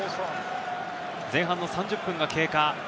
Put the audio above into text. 前半の３０分が経過。